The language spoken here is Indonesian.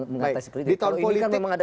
mengatasi seperti itu kalau ini kan memang ada